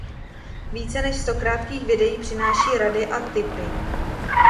Více než sto krátkých videí přináší rady a tipy